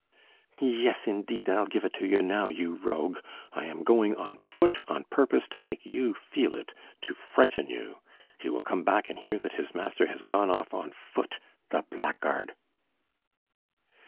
"Yes, indeed I'll give it to you now, you rogue! I am going on foot on purpose to make you feel it, to frighten you! He will come back and hear that his master has gone off on foot ... the blackguard!"